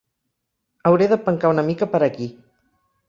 Hauré de pencar una mica per aquí.